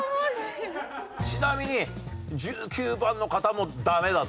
ちなみに１９番の方もダメだと。